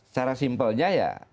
secara simpelnya ya